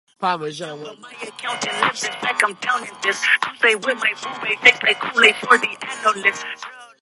He said he was going to get Sally Rand to make some.